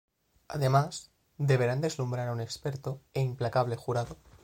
Además, deberán deslumbrar a un experto e implacable jurado.